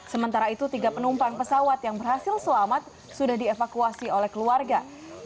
sementara itu tiga penumpang pesawat yang berhasil selamat sudah dievakuasi oleh keluarga